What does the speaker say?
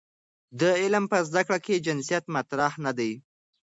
د علم په زده کړه کې جنسیت مطرح نه دی.